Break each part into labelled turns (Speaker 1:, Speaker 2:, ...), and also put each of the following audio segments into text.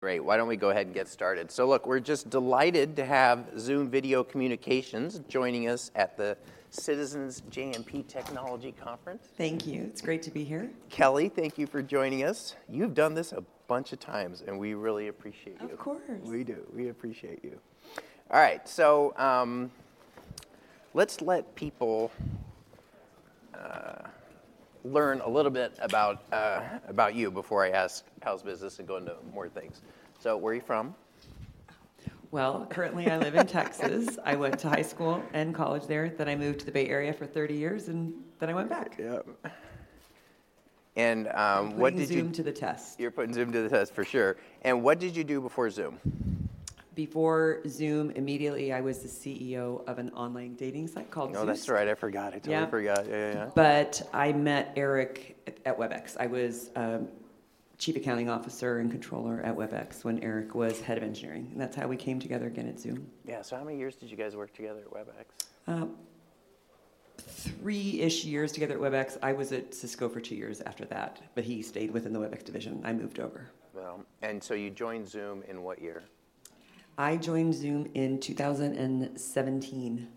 Speaker 1: Great, why don't we go ahead and get started? So look, we're just delighted to have Zoom Video Communications joining us at the Citizens JMP Technology Conference.
Speaker 2: Thank you. It's great to be here.
Speaker 1: Kelly, thank you for joining us. You've done this a bunch of times, and we really appreciate you.
Speaker 2: Of course.
Speaker 1: We do. We appreciate you. All right, so let's let people learn a little bit about you before I ask how's business and go into more things. So where are you from?
Speaker 2: Well, currently I live in Texas. I went to high school and college there, then I moved to the Bay Area for 30 years, and then I went back.
Speaker 1: Yep. And, what did you-
Speaker 2: I'm putting Zoom to the test.
Speaker 1: You're putting Zoom to the test, for sure. What did you do before Zoom?
Speaker 2: Before Zoom, immediately, I was the CEO of an online dating site called Zoosk.
Speaker 1: Oh, that's right. I forgot.
Speaker 2: Yeah.
Speaker 1: I totally forgot. Yeah, yeah, yeah.
Speaker 2: I met Eric at Webex. I was Chief Accounting Officer and Controller at Webex when Eric was head of engineering, and that's how we came together again at Zoom.
Speaker 1: Yeah. So how many years did you guys work together at Webex?
Speaker 2: Three-ish years together at Webex. I was at Cisco for two years after that, but he stayed within the Webex division. I moved over.
Speaker 1: Well, and so you joined Zoom in what year?
Speaker 2: I joined Zoom in 2017.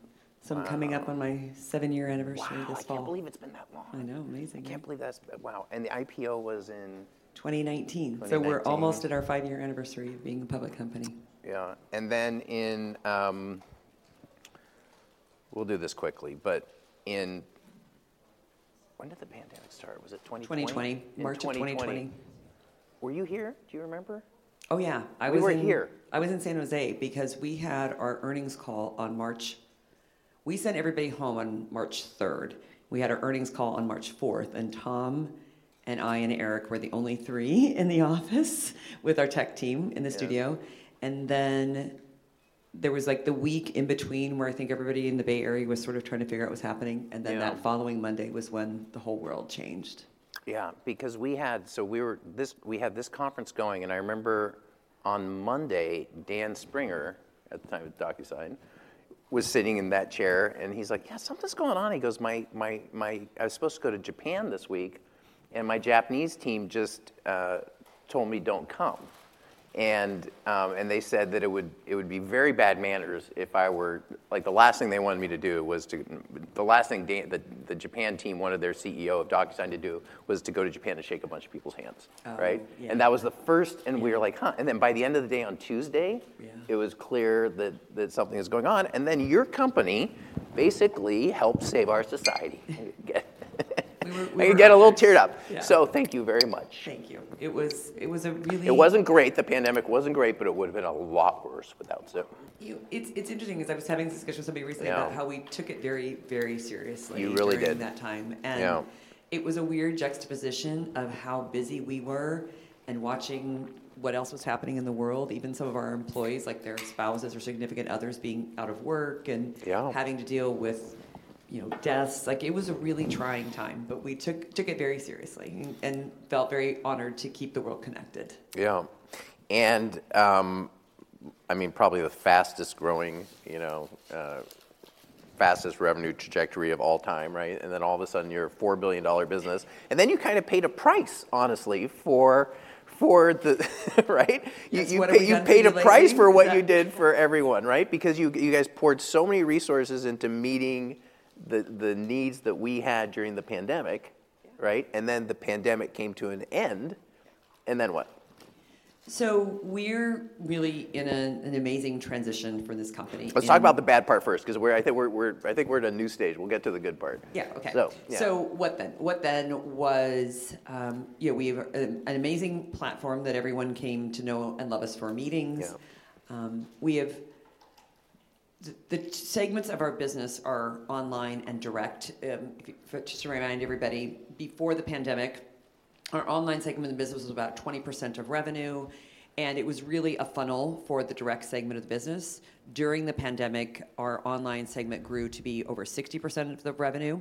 Speaker 1: Wow.
Speaker 2: I'm coming up on my seven-year anniversary this fall.
Speaker 1: Wow, I can't believe it's been that long!
Speaker 2: I know, amazing.
Speaker 1: I can't believe that's... Wow, and the IPO was in?
Speaker 2: 2019.
Speaker 1: 2019.
Speaker 2: We're almost at our five-year anniversary of being a public company.
Speaker 1: Yeah, and then in... We'll do this quickly, but in... When did the pandemic start? Was it 2020?
Speaker 2: 2020.
Speaker 1: In 2020.
Speaker 2: March of 2020.
Speaker 1: Were you here? Do you remember?
Speaker 2: Oh, yeah.
Speaker 1: You were here.
Speaker 2: I was in San Jose because we had our earnings call on March. We sent everybody home on March 3rd. We had our earnings call on March 4th, and Tom and I, and Eric were the only three in the office with our tech team in the studio.
Speaker 1: Yeah.
Speaker 2: Then there was, like, the week in between, where I think everybody in the Bay Area was sort of trying to figure out what was happening.
Speaker 1: Yeah.
Speaker 2: Then that following Monday was when the whole world changed.
Speaker 1: Yeah, because we had this conference going, and I remember on Monday, Dan Springer, at the time with DocuSign, was sitting in that chair, and he's like: "Yeah, something's going on." He goes: "My I was supposed to go to Japan this week, and my Japanese team just told me, 'Don't come.' And they said that it would, it would be very bad manners if I were..." Like, the last thing they wanted me to do was to-- The last thing Dan, the Japan team, wanted their CEO of DocuSign to do was to go to Japan to shake a bunch of people's hands.
Speaker 2: Oh, yeah.
Speaker 1: Right? And that was the first-
Speaker 2: Yeah.
Speaker 1: We were like: "Huh?" And then by the end of the day on Tuesday-
Speaker 2: Yeah...
Speaker 1: it was clear that something was going on. And then your company basically helped save our society.
Speaker 2: We were-
Speaker 1: I get a little teared up.
Speaker 2: Yeah.
Speaker 1: Thank you very much.
Speaker 2: Thank you. It was a really-
Speaker 1: It wasn't great. The pandemic wasn't great, but it would've been a lot worse without Zoom.
Speaker 2: It's interesting, 'cause I was having this discussion with somebody recently.
Speaker 1: Yeah...
Speaker 2: about how we took it very, very seriously-
Speaker 1: You really did....
Speaker 2: during that time. And-
Speaker 1: Yeah...
Speaker 2: it was a weird juxtaposition of how busy we were and watching what else was happening in the world. Even some of our employees, like, their spouses or significant others being out of work and-
Speaker 1: Yeah...
Speaker 2: having to deal with, you know, deaths. Like, it was a really trying time, but we took it very seriously and felt very honored to keep the world connected.
Speaker 1: Yeah. And, I mean, probably the fastest-growing, you know, fastest revenue trajectory of all time, right? And then all of a sudden, you're a $4 billion business, and then you kinda paid a price, honestly, for the right?
Speaker 2: That's what I've done-
Speaker 1: You paid a price for what you did for everyone, right? Because you guys poured so many resources into meeting the needs that we had during the pandemic-
Speaker 2: Yeah...
Speaker 1: right? And then the pandemic came to an end, and then what?
Speaker 2: So we're really in an amazing transition for this company. And-
Speaker 1: Let's talk about the bad part first, 'cause I think we're at a new stage. We'll get to the good part.
Speaker 2: Yeah, okay.
Speaker 1: So, yeah.
Speaker 2: So what then? What then was, you know, we have an amazing platform that everyone came to know and love us for our meetings.
Speaker 1: Yeah.
Speaker 2: We have the segments of our business are online and direct. Just to remind everybody, before the pandemic, our online segment of the business was about 20% of revenue, and it was really a funnel for the direct segment of the business. During the pandemic, our online segment grew to be over 60% of the revenue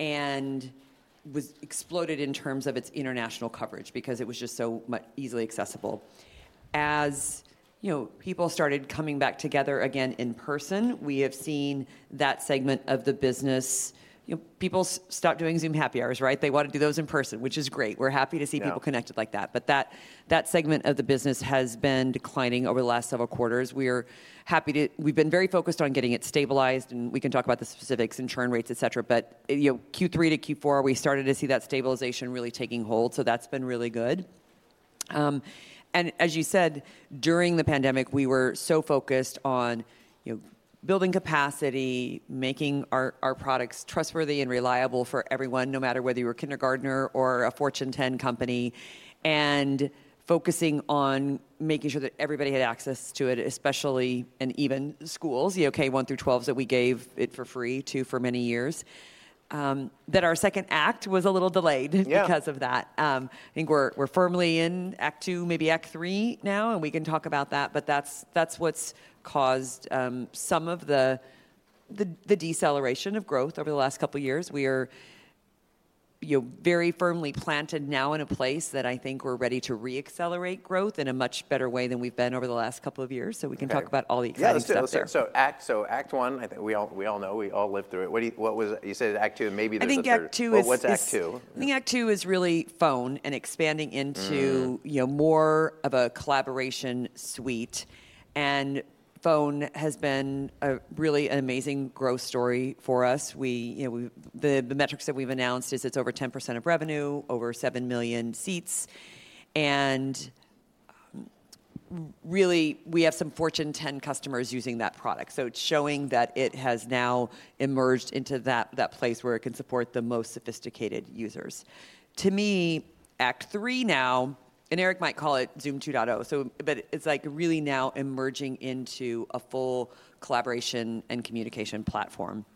Speaker 2: and was exploded in terms of its international coverage because it was just so much easily accessible. You know, people started coming back together again in person, we have seen that segment of the business. You know, people stopped doing Zoom happy hours, right? They wanna do those in person, which is great. We're happy to see-
Speaker 1: Yeah...
Speaker 2: people connected like that. But that, that segment of the business has been declining over the last several quarters. We are happy to. We've been very focused on getting it stabilized, and we can talk about the specifics and churn rates, et cetera, but, you know, Q3 to Q4, we started to see that stabilization really taking hold, so that's been really good. And as you said, during the pandemic, we were so focused on, you know, building capacity, making our, our products trustworthy and reliable for everyone, no matter whether you were a kindergartner or a Fortune 10 company, and focusing on making sure that everybody had access to it, especially, and even schools, the K-1 through 12s, that we gave it for free for many years, that our second act was a little delayed-
Speaker 1: Yeah...
Speaker 2: because of that. I think we're firmly in act two, maybe act three now, and we can talk about that, but that's what's caused some of the deceleration of growth over the last couple of years. You know, very firmly planted now in a place that I think we're ready to re-accelerate growth in a much better way than we've been over the last couple of years. So we can talk about all the exciting stuff there.
Speaker 1: Yeah, let's do. So act one, I think we all know, we all lived through it. What was, you said act two, and maybe there's a third.
Speaker 2: I think act two is-
Speaker 1: Well, what's act two?
Speaker 2: I think act two is really phone and expanding into-... you know, more of a collaboration suite. And phone has been a really amazing growth story for us. We, you know, the metrics that we've announced is it's over 10% of revenue, over 7 million seats, and really, we have some Fortune 10 customers using that product. So it's showing that it has now emerged into that place where it can support the most sophisticated users. To me, act three now, and Eric might call it Zoom 2.0, so but it's, like, really now emerging into a full collaboration and communication platform.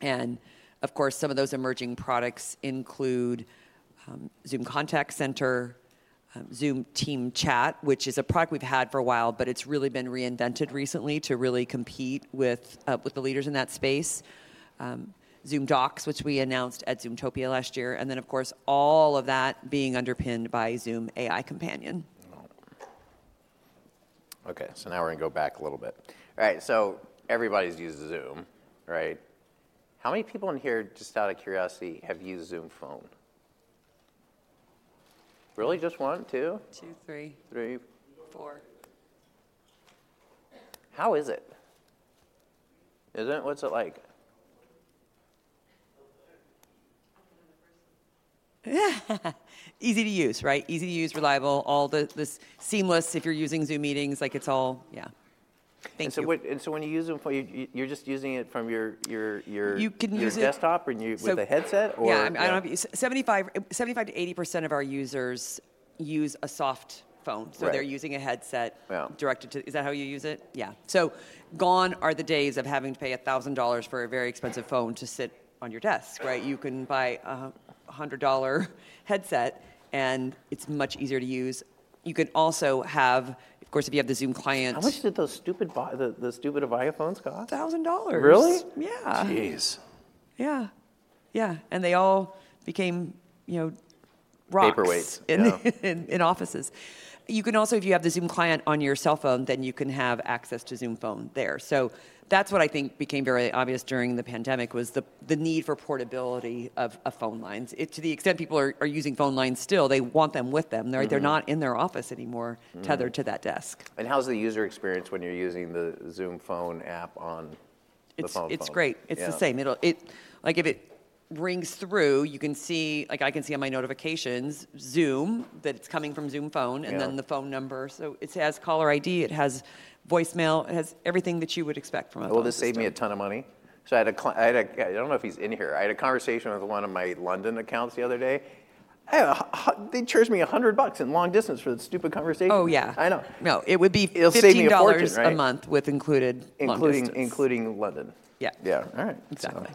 Speaker 2: And of course, some of those emerging products include Zoom Contact Center, Zoom Team Chat, which is a product we've had for a while, but it's really been reinvented recently to really compete with the leaders in that space. Zoom Docs, which we announced at Zoomtopia last year, and then, of course, all of that being underpinned by Zoom AI Companion.
Speaker 1: Oh. Okay, so now we're gonna go back a little bit. Right, so everybody's used Zoom, right? How many people in here, just out of curiosity, have used Zoom Phone? Really, just one, two?
Speaker 2: Two, three.
Speaker 1: Three.
Speaker 2: Four.
Speaker 1: How is it? Is it... What's it like?
Speaker 2: Easy to use, right? Easy to use, reliable, all the seamless if you're using Zoom Meetings, like it's all... Yeah. Thank you.
Speaker 1: And so when you use Zoom Phone, you're just using it from your, your, your-
Speaker 2: You can use it.
Speaker 1: your desktop, and you-
Speaker 2: So-
Speaker 1: With a headset or?
Speaker 2: Yeah.
Speaker 1: Yeah.
Speaker 2: I don't know, 75%-80% of our users use a soft phone.
Speaker 1: Right.
Speaker 2: They're using a headset-
Speaker 1: Yeah...
Speaker 2: directed to, is that how you use it? Yeah. So gone are the days of having to pay $1,000 for a very expensive phone to sit on your desk, right? You can buy a $100 headset, and it's much easier to use. You can also have, of course, if you have the Zoom Client-
Speaker 1: How much did those stupid Avaya phones cost?
Speaker 2: $1,000.
Speaker 1: Really?
Speaker 2: Yeah.
Speaker 1: Geez!
Speaker 2: Yeah, yeah, and they all became, you know, rocks-
Speaker 1: Paperweights, yeah...
Speaker 2: in offices. You can also, if you have the Zoom Client on your cell phone, then you can have access to Zoom Phone there. So that's what I think became very obvious during the pandemic, was the need for portability of phone lines. It, to the extent people are using phone lines still, they want them with them. They're not in their office anymore, tethered to that desk.
Speaker 1: How's the user experience when you're using the Zoom Phone app on-
Speaker 2: It's-
Speaker 1: -the phone?
Speaker 2: It's great.
Speaker 1: Yeah.
Speaker 2: It's the same. It'll, like, if it rings through, you can see, like, I can see on my notifications, Zoom, that it's coming from Zoom Phone.
Speaker 1: Yeah...
Speaker 2: and then the phone number. So it has caller ID, it has voicemail, it has everything that you would expect from a phone system.
Speaker 1: Well, this saved me a ton of money. So I had a—I don't know if he's in here. I had a conversation with one of my London accounts the other day. They charged me $100 in long distance for this stupid conversation.
Speaker 2: Oh, yeah.
Speaker 1: I know.
Speaker 2: No, it would be $15-
Speaker 1: It'll save me a fortune, right?
Speaker 2: a month with included long distance.
Speaker 1: Including London.
Speaker 2: Yeah.
Speaker 1: Yeah. All right.
Speaker 2: Exactly.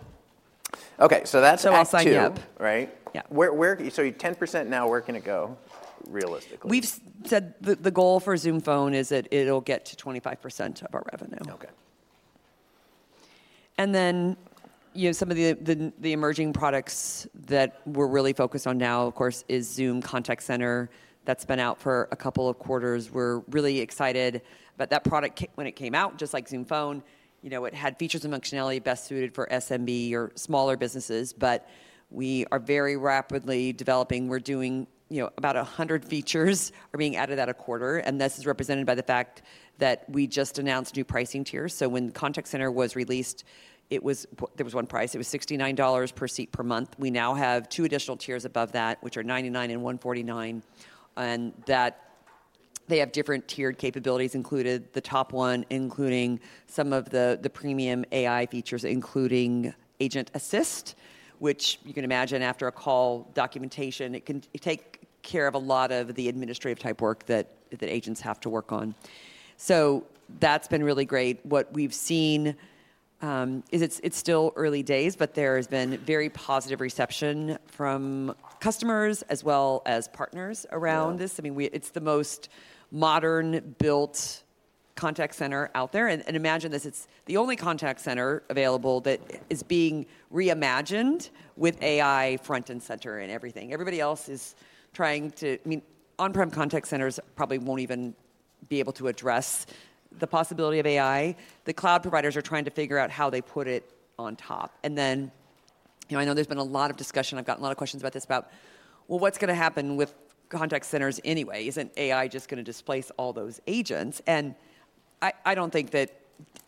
Speaker 1: Okay, so that's act two.
Speaker 2: I'll sign you up.
Speaker 1: Right?
Speaker 2: Yeah.
Speaker 1: Where, so 10% now, where can it go, realistically?
Speaker 2: We've said the goal for Zoom Phone is that it'll get to 25% of our revenue.
Speaker 1: Okay.
Speaker 2: And then, you know, some of the emerging products that we're really focused on now, of course, is Zoom Contact Center. That's been out for a couple of quarters. We're really excited, but that product when it came out, just like Zoom Phone, you know, it had features and functionality best suited for SMB or smaller businesses, but we are very rapidly developing. We're doing, you know, about 100 features are being added at a quarter, and this is represented by the fact that we just announced new pricing tiers. So when Contact Center was released, it was, there was one price. It was $69 per seat per month. We now have two additional tiers above that, which are $99 and $149, and that they have different tiered capabilities included, the top one including some of the premium AI features, including Agent Assist, which you can imagine after a call, documentation, it can take care of a lot of the administrative type work that agents have to work on. So that's been really great. What we've seen is it's still early days, but there has been very positive reception from customers as well as partners around this.
Speaker 1: Yeah.
Speaker 2: I mean, it's the most modern-built contact center out there. And imagine this, it's the only contact center available that is being reimagined with AI front and center in everything. Everybody else is trying to... I mean, on-prem contact centers probably won't even be able to address the possibility of AI. The cloud providers are trying to figure out how they put it on top. And then, you know, I know there's been a lot of discussion. I've gotten a lot of questions about this, about, "Well, what's gonna happen with contact centers anyway? Isn't AI just gonna displace all those agents?" And I don't think that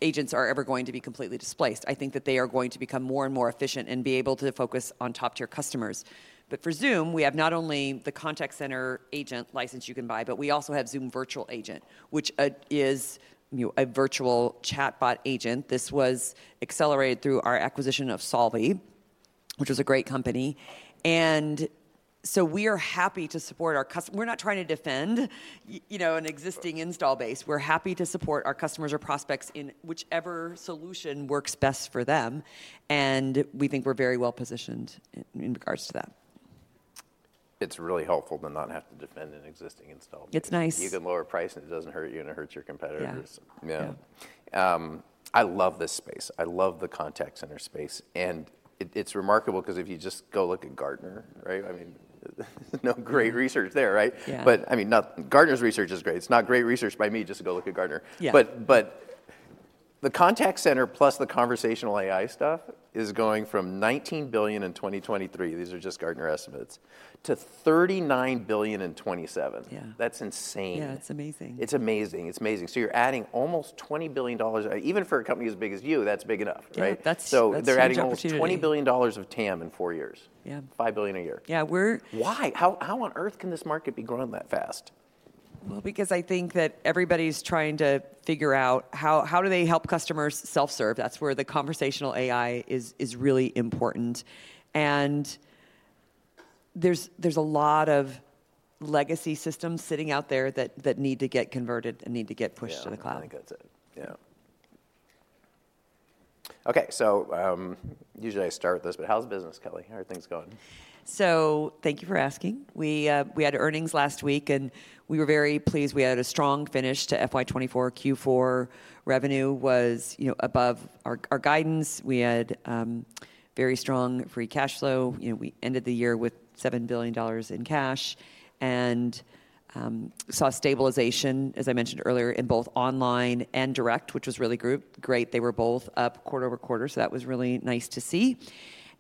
Speaker 2: agents are ever going to be completely displaced. I think that they are going to become more and more efficient and be able to focus on top-tier customers. But for Zoom, we have not only the contact center agent license you can buy, but we also have Zoom Virtual Agent, which is, you know, a virtual chatbot agent. This was accelerated through our acquisition of Solvvy, which is a great company. And so we are happy to support our customers—we're not trying to defend, you know, an existing install base. We're happy to support our customers or prospects in whichever solution works best for them, and we think we're very well positioned in regards to that....
Speaker 1: it's really helpful to not have to defend an existing install.
Speaker 2: It's nice.
Speaker 1: You can lower price, and it doesn't hurt you, and it hurts your competitors.
Speaker 2: Yeah.
Speaker 1: Yeah.
Speaker 2: Yeah.
Speaker 1: I love this space. I love the contact center space, and it's remarkable 'cause if you just go look at Gartner, right? I mean, no great research there, right?
Speaker 2: Yeah.
Speaker 1: But I mean, Gartner's research is great. It's not great research by me. Just go look at Gartner.
Speaker 2: Yeah.
Speaker 1: But the contact center plus the conversational AI stuff is going from $19 billion in 2023, these are just Gartner estimates, to $39 billion in 2027.
Speaker 2: Yeah.
Speaker 1: That's insane.
Speaker 2: Yeah, it's amazing.
Speaker 1: It's amazing. It's amazing. So you're adding almost $20 billion. Even for a company as big as you, that's big enough, right?
Speaker 2: Yeah, that's a huge opportunity.
Speaker 1: They're adding almost $20 billion of TAM in four years.
Speaker 2: Yeah.
Speaker 1: $5 billion a year.
Speaker 2: Yeah, we're-
Speaker 1: Why? How, how on earth can this market be growing that fast?
Speaker 2: Well, because I think that everybody's trying to figure out how do they help customers self-serve? That's where the conversational AI is really important, and there's a lot of legacy systems sitting out there that need to get converted and need to get pushed to the cloud.
Speaker 1: Yeah, I think that's it. Yeah. Okay, so, usually I start with this, but how's business, Kelly? How are things going?
Speaker 2: So thank you for asking. We had earnings last week, and we were very pleased. We had a strong finish to FY 2024 Q4. Revenue was, you know, above our guidance. We had very strong free cash flow. You know, we ended the year with $7 billion in cash and saw stabilization, as I mentioned earlier, in both online and direct, which was really great. They were both up quarter-over-quarter, so that was really nice to see.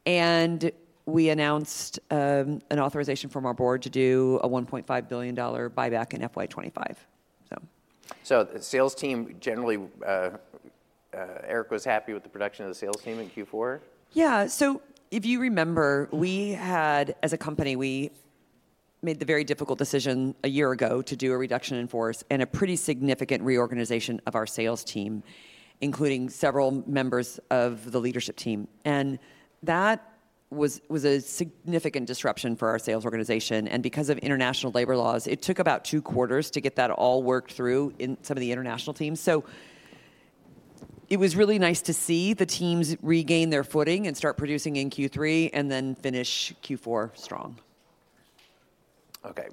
Speaker 2: And we announced an authorization from our board to do a $1.5 billion buyback in FY 2025, so.
Speaker 1: So the sales team, generally, Eric, was happy with the production of the sales team in Q4?
Speaker 2: Yeah. So if you remember, as a company, we made the very difficult decision a year ago to do a reduction in force and a pretty significant reorganization of our sales team, including several members of the leadership team, and that was a significant disruption for our sales organization. And because of international labor laws, it took about 2 quarters to get that all worked through in some of the international teams. So it was really nice to see the teams regain their footing and start producing in Q3 and then finish Q4 strong.
Speaker 1: Okay.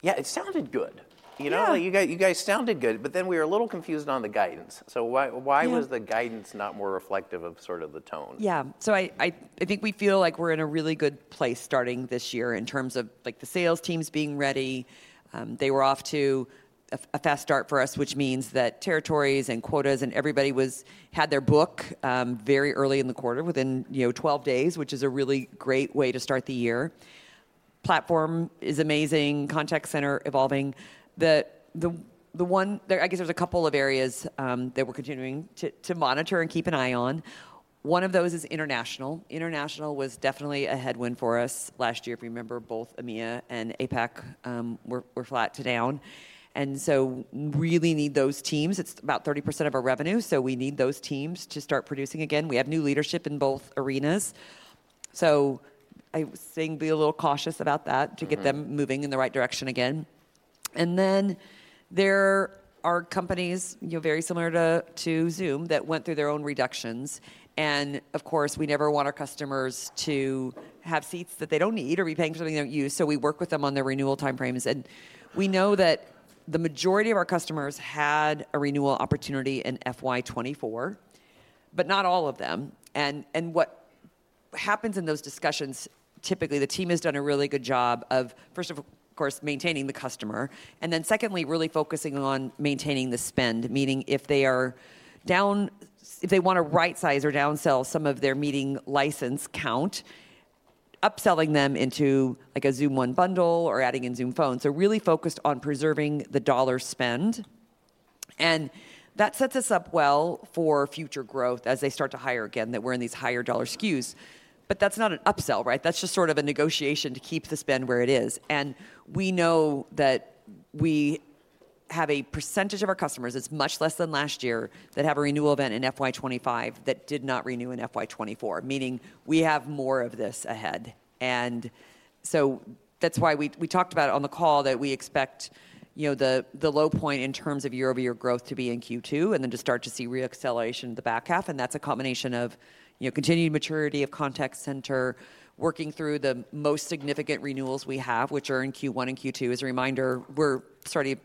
Speaker 1: Yeah, it sounded good.
Speaker 2: Yeah.
Speaker 1: You know, you guys sounded good, but then we were a little confused on the guidance. So why-
Speaker 2: Yeah...
Speaker 1: why was the guidance not more reflective of sort of the tone?
Speaker 2: Yeah. So I think we feel like we're in a really good place starting this year in terms of, like, the sales teams being ready. They were off to a fast start for us, which means that territories and quotas and everybody had their book very early in the quarter, within, you know, 12 days, which is a really great way to start the year. Platform is amazing, contact center evolving. The one there, I guess there's a couple of areas that we're continuing to monitor and keep an eye on. One of those is international. International was definitely a headwind for us last year. If you remember, both EMEA and APAC were flat to down, and so we really need those teams. It's about 30% of our revenue, so we need those teams to start producing again. We have new leadership in both arenas, so I was saying be a little cautious about that-... to get them moving in the right direction again. And then there are companies, you know, very similar to, to Zoom, that went through their own reductions, and of course, we never want our customers to have seats that they don't need or be paying for something they don't use. So we work with them on their renewal time frames, and we know that the majority of our customers had a renewal opportunity in FY 2024, but not all of them. And, and what happens in those discussions, typically, the team has done a really good job of, first of all, of course, maintaining the customer and then secondly, really focusing on maintaining the spend. Meaning if they are down, if they wanna rightsize or downsell some of their meeting license count, upselling them into, like, a Zoom One bundle or adding in Zoom Phone. So really focused on preserving the dollar spend, and that sets us up well for future growth as they start to hire again, that we're in these higher dollar SKUs. But that's not an upsell, right? That's just sort of a negotiation to keep the spend where it is. And we know that we have a percentage of our customers, it's much less than last year, that have a renewal event in FY 2025, that did not renew in FY 2024, meaning we have more of this ahead. And so that's why we talked about it on the call, that we expect, you know, the low point in terms of year-over-year growth to be in Q2, and then to start to see re-acceleration in the back half. That's a combination of, you know, continued maturity of contact center, working through the most significant renewals we have, which are in Q1 and Q2. As a reminder, we're sort of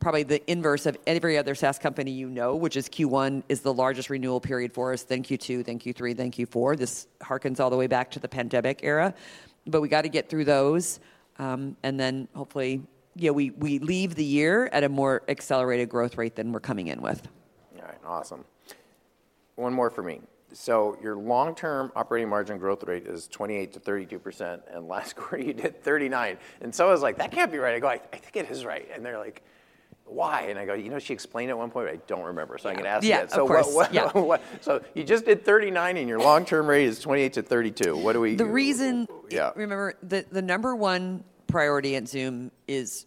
Speaker 2: probably the inverse of every other SaaS company you know, which is Q1 is the largest renewal period for us, then Q2, then Q3, then Q4. This hearkens all the way back to the pandemic era, but we gotta get through those, and then hopefully, you know, we leave the year at a more accelerated growth rate than we're coming in with.
Speaker 1: All right, awesome. One more for me. So your long-term operating margin growth rate is 28%-32%, and last quarter, you did 39%. And so I was like, "That can't be right." I go, "I, I think it is right." And they're like, "Why?" And I go, "You know, she explained it at one point, but I don't remember, so I'm gonna ask you that.
Speaker 2: Yeah, of course.
Speaker 1: So what,
Speaker 2: Yeah.
Speaker 1: So you just did 39%, and your long-term rate is 28%-32%. What do we-
Speaker 2: The reason-
Speaker 1: Yeah.
Speaker 2: Remember, the number one priority at Zoom is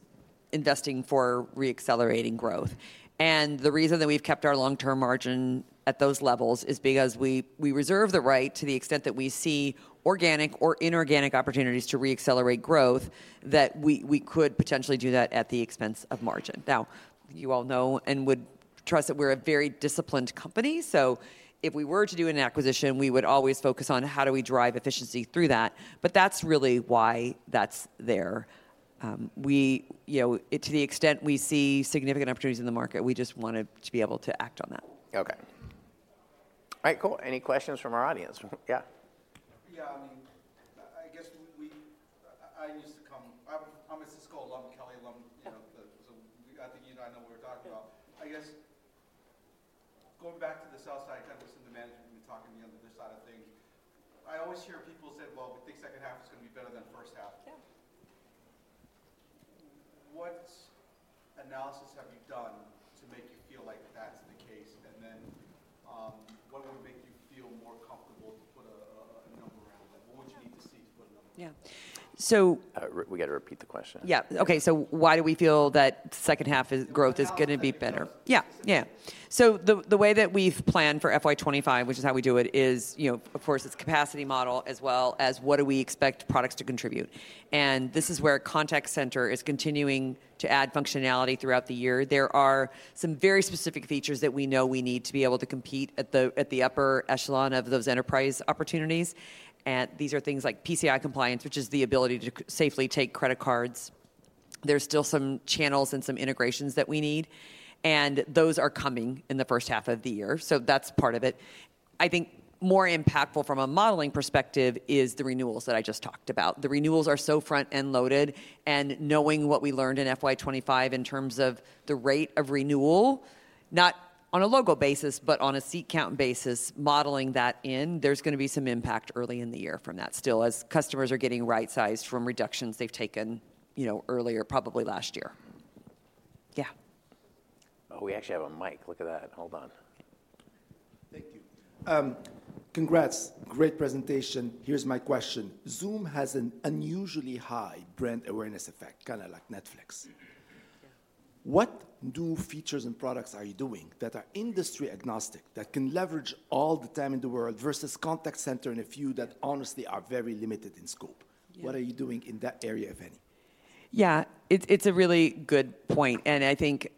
Speaker 2: investing for re-accelerating growth. The reason that we've kept our long-term margin at those levels is because we reserve the right, to the extent that we see organic or inorganic opportunities to re-accelerate growth, that we could potentially do that at the expense of margin. Now, you all know and would trust that we're a very disciplined company, so if we were to do an acquisition, we would always focus on how do we drive efficiency through that? But that's really why that's there. You know, to the extent we see significant opportunities in the market, we just wanted to be able to act on that.
Speaker 1: Okay. All right, cool. Any questions from our audience? Yeah.
Speaker 3: Yeah, I mean, I guess we used to come—I'm a Cisco alum, Kelly alum, you know, so we—I think you and I know what we're talking about. I guess going back to the sell side, kind of listening to management and talking to me on the buy side of things, I always hear people say, "Well, we think second half is gonna be better than first half. What analysis have you done to make you feel like that's the case? And then, what would make you feel more comfortable to put a number around that? What would you need to see to put a number?
Speaker 2: Yeah. So-
Speaker 1: We gotta repeat the question.
Speaker 2: Yeah. Okay, so why do we feel that second half growth is gonna be better?
Speaker 3: Yeah.
Speaker 2: Yeah. So the way that we've planned for FY 2025, which is how we do it, is, you know, of course, it's capacity model as well as what do we expect products to contribute. And this is where Contact Center is continuing to add functionality throughout the year. There are some very specific features that we know we need to be able to compete at the upper echelon of those enterprise opportunities, and these are things like PCI compliance, which is the ability to safely take credit cards. There's still some channels and some integrations that we need, and those are coming in the first half of the year, so that's part of it. I think more impactful from a modeling perspective is the renewals that I just talked about. The renewals are so front-end loaded, and knowing what we learned in FY 2025 in terms of the rate of renewal, not on a logo basis, but on a seat count basis, modeling that in, there's gonna be some impact early in the year from that still, as customers are getting right-sized from reductions they've taken, you know, earlier, probably last year. Yeah.
Speaker 1: Oh, we actually have a mic. Look at that. Hold on.
Speaker 4: Thank you. Congrats, great presentation. Here's my question: Zoom has an unusually high brand awareness effect, kinda like Netflix.
Speaker 2: Yeah.
Speaker 4: What new features and products are you doing that are industry-agnostic, that can leverage all the time in the world versus contact center and a few that honestly are very limited in scope?
Speaker 2: Yeah.
Speaker 4: What are you doing in that area, if any?
Speaker 2: Yeah, it's a really good point, and I think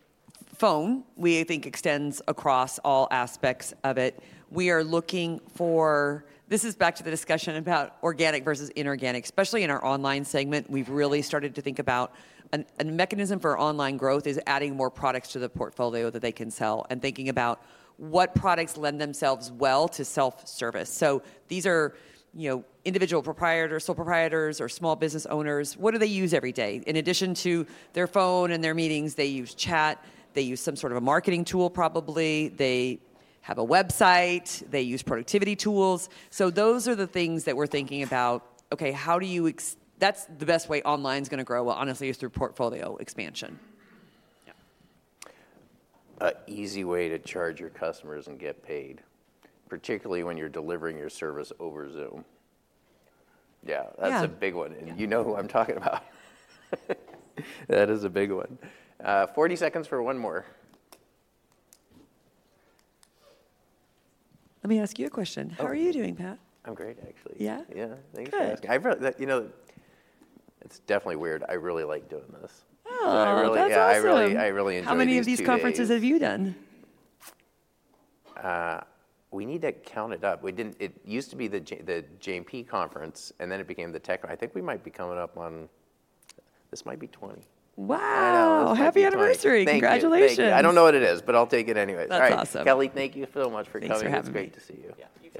Speaker 2: phone, we think, extends across all aspects of it. We are looking for. This is back to the discussion about organic versus inorganic, especially in our online segment. We've really started to think about a mechanism for online growth is adding more products to the portfolio that they can sell, and thinking about what products lend themselves well to self-service. So these are, you know, individual proprietors, sole proprietors, or small business owners. What do they use every day? In addition to their phone and their meetings, they use chat, they use some sort of a marketing tool probably, they have a website, they use productivity tools. So those are the things that we're thinking about. Okay, how do you that's the best way online's gonna grow, well, honestly, is through portfolio expansion.
Speaker 1: Yeah. An easy way to charge your customers and get paid, particularly when you're delivering your service over Zoom. Yeah.
Speaker 2: Yeah.
Speaker 1: That's a big one, and you know who I'm talking about. That is a big one. 40 seconds for one more.
Speaker 2: Let me ask you a question.
Speaker 1: Okay.
Speaker 2: How are you doing, Pat?
Speaker 1: I'm great, actually.
Speaker 2: Yeah?
Speaker 1: Yeah. Thank you for asking.
Speaker 2: Good.
Speaker 1: That, you know, it's definitely weird. I really like doing this.
Speaker 2: Oh!
Speaker 1: I really-
Speaker 2: That's awesome.
Speaker 1: Yeah, I really, I really enjoy these two days.
Speaker 2: How many of these conferences have you done?
Speaker 1: We need to count it up. It used to be the JMP conference, and then it became the tech. I think we might be coming up on... This might be 20.
Speaker 2: Wow!
Speaker 1: I know, this might be 20.
Speaker 2: Happy anniversary.
Speaker 1: Thank you.
Speaker 2: Congratulations.
Speaker 1: Thank you. I don't know what it is, but I'll take it anyways.
Speaker 2: That's awesome.
Speaker 1: All right, Kelly, thank you so much for coming.
Speaker 2: Thanks for having me.
Speaker 1: It's great to see you.
Speaker 2: Yeah, you too.